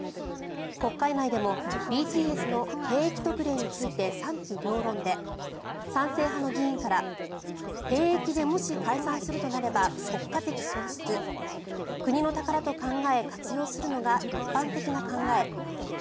国会内でもＢＴＳの兵役特例について賛否両論で賛成派の議員から兵役でもし解散するとなれば国家的損失国の宝と考え、活用するのが一般的な考え。